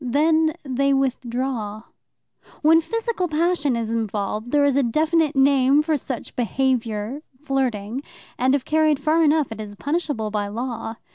Then they withdraw. When physical passion is involved, there is a definite name for such behaviour flirting and if carried far enough it is punishable by law.